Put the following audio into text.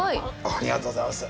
ありがとうございます。